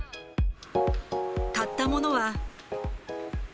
買ったものは。